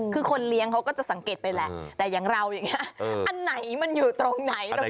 คือคนเลี้ยงเขาก็จะสังเกตไปแหละแต่อย่างเราอย่างนี้อันไหนมันอยู่ตรงไหน